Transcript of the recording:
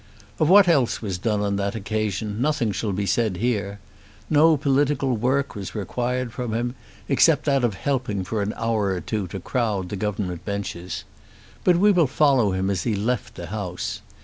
Of what else was done on that occasion nothing shall be said here. No political work was required from him, except that of helping for an hour or two to crowd the Government benches. But we will follow him as he left the House.